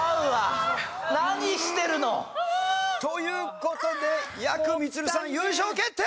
何してるの！という事でやくみつるさん優勝決定！